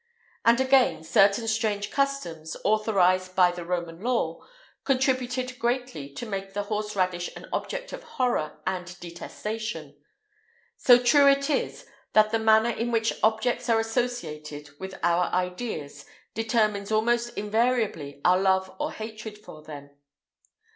And again, certain strange customs, authorised by the Roman law, contributed greatly to make the horse radish an object of horror and detestation; so true it is, that the manner in which objects are associated with our ideas determines almost invariably our love or hatred for them.